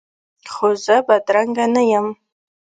خو زه بدرنګه نه یم